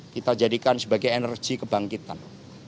kita jadikan sebagai energi kebangkitan